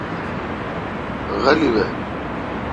غلی بھ۔